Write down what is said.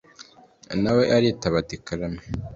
na we aritaba ati karame